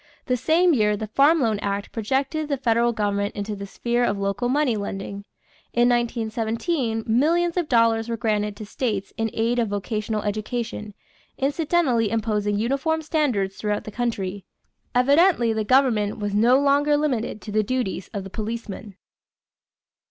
The same year the Farm Loan Act projected the federal government into the sphere of local money lending. In 1917 millions of dollars were granted to states in aid of vocational education, incidentally imposing uniform standards throughout the country. Evidently the government was no longer limited to the duties of the policeman.